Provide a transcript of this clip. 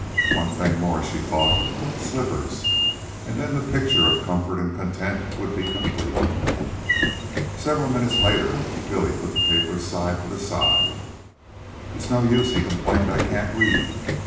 One thing more, she thought slippers; and then the picture of comfort and content would be complete. Several minutes later Billy put the paper aside with a sigh. "It's no use," he complained. "I can't read."